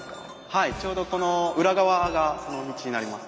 はいちょうどこの裏側がその道になります。